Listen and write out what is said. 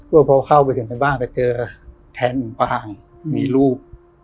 ก็พอเข้าไปถึงทางบ้างก็เจอแทนหลวงขวางมีรูป